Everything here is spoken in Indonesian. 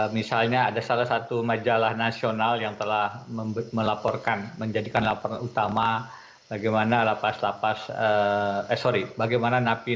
misalnya ada salah satu majalah nasional yang telah melaporkan menjadikan laporan utama bagaimana lapas lapas eh sorry bagaimana napi